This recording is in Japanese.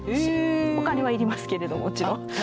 お金は要りますけれどもちろん。